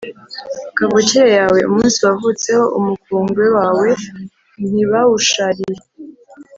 Kavukire yawe, umunsi wavutseho umukungwe wawe ntibawushariye